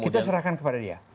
kita serahkan kepada dia